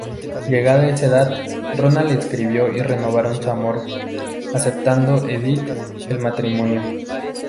Llegada esa edad, Ronald le escribió y renovaron su amor; aceptando Edith el matrimonio.